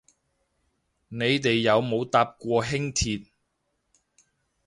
你哋有冇搭過輕鐵